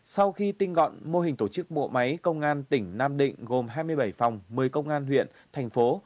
sau khi tinh gọn mô hình tổ chức bộ máy công an tỉnh nam định gồm hai mươi bảy phòng một mươi công an huyện thành phố